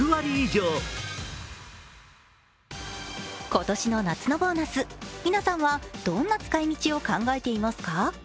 今年の夏のボーナス、皆さんはどんな使い道を考えていますか？